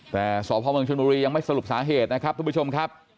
แต่สพเมืองชนบุรียังไม่สรุปสาเหตุนะครับทุกผู้ชมครับ